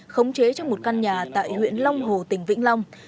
khống chế trong một căn nhà tại huyện long hồ tỉnh vĩnh long